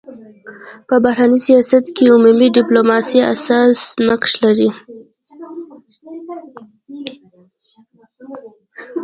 په بهرني سیاست کي عمومي ډيپلوماسي اساسي نقش لري.